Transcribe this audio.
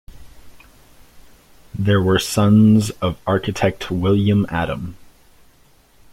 They were sons of architect William Adam.